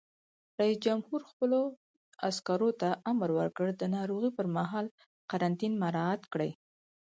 رئیس جمهور خپلو عسکرو ته امر وکړ؛ د ناروغۍ پر مهال قرنطین مراعات کړئ!